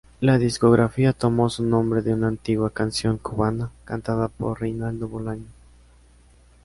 La discográfica tomó su nombre de una antigua canción cubana cantada por Reinaldo Bolaño.